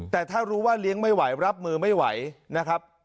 แต่ถ้ารู้ว่าเลี้ยงไม่ไหวรับมือไม่ไหวนะครับ